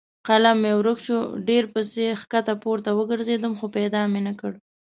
قلم مې ورک شو؛ ډېر پسې کښته پورته وګرځېدم خو پیدا مې نه کړ.